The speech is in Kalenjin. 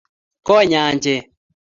koi nyanjet